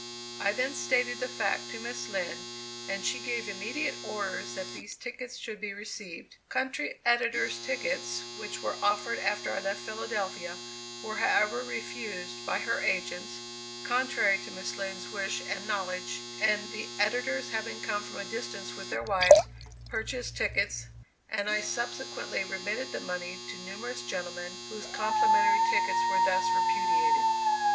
I then stated the fact to Miss Lind, and she gave immediate orders that these tickets should be received. Country editors' tickets, which were offered after I left Philadelphia, were however refused by her agents (contrary to Miss Lind's wish and knowledge), and the editors, having come from a distance with their wives, purchased tickets, and I subsequently remitted the money to numerous gentlemen, whose complimentary tickets were thus repudiated.